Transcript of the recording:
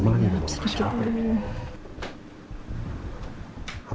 makasih ya fel